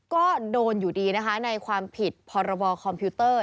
ก็โดนอยู่ดีนะคะในความผิดพรบคอมพิวเตอร์